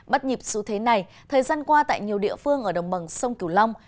bắt nhịp xu thế này thời gian qua tại nhiều địa phương ở đồng bằng sông kiều long